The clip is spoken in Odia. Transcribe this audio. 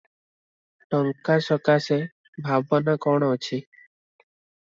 ଟଙ୍କା ସକାଶେ ଭାବନା କଣ ଅଛି?